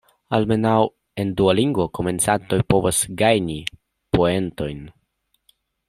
Almenaŭ en Duolingo, komencantoj povas gajni poentojn.